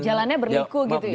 jalannya berliku gitu ya